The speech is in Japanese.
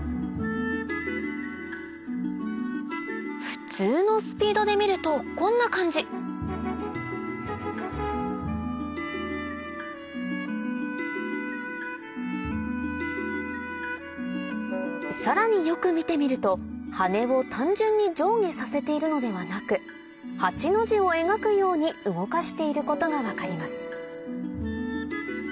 普通のスピードで見るとこんな感じさらによく見てみると羽を単純に上下させているのではなく８の字を描くように動かしていることが分かります